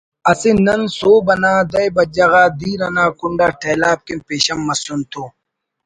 اسے نن سہب انا دہ بجہ غا دیر انا کنڈ آ ٹیلاپ کن پیشن مسن تو